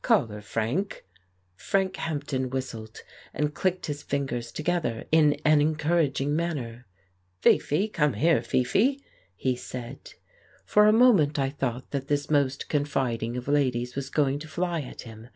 Call her, Frank." Frank Hampden whistled, and clicked his fingers together in an encouraging manner. "Fifi — come here, Fifi !" he said. For a moment I thought that this most confiding of ladies was going to fly at him.